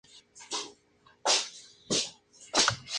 Ese año regresó a River Plate.